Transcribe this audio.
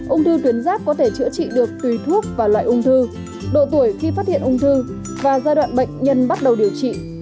ung thư tuyến giáp có thể chữa trị được tùy thuốc và loại ung thư độ tuổi khi phát hiện ung thư và giai đoạn bệnh nhân bắt đầu điều trị